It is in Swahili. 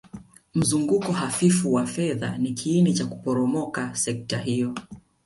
Mzunguko hafifu wa fedha ni kiini cha kuporomoka sekta hiyo